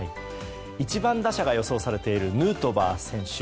１番打者が予想されているヌートバー選手。